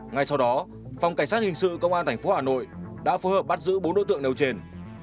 ngay sau đó phòng cảnh sát hình sự công an tp hà nội đã phối hợp bắt giữ bốn đối tượng nêu trên